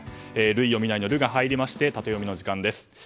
類を見ないの「ル」が入りタテヨミの時間です。